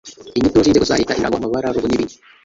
inyito z'inzego za leta, ibirango, amabara, logo n'ibindi